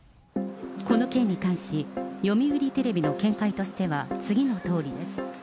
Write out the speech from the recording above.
この件に関し、読売テレビの見解としては次のとおりです。